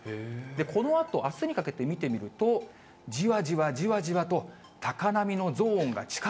このあとあすにかけて見てみると、じわじわじわじわと、本当ですね。